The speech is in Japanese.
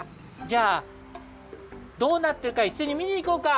じゃあどうなってるかいっしょにみにいこうか！